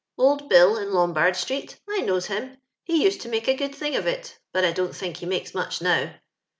•* Old Bill, in Lombard Btieet! I knowi him ; he need to make a good diing of it, bat I don't think he makee rnneh now.